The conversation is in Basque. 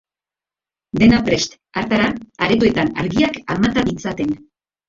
Dena prest, hartara, aretoetan argiak amata ditzaten.